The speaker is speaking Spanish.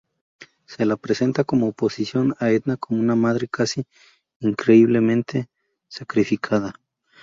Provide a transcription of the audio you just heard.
Se la presenta como oposición a Edna como una madre casi increíblemente sacrificada.